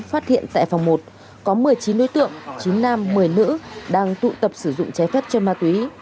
phát hiện tại phòng một có một mươi chín đối tượng chín nam một mươi nữ đang tụ tập sử dụng trái phép chân ma túy